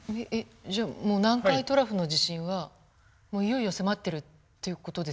じゃあもう南海トラフの地震はいよいよ迫ってるっていう事ですよね？